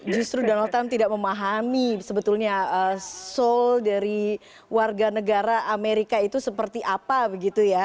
justru donald trump tidak memahami sebetulnya soul dari warga negara amerika itu seperti apa begitu ya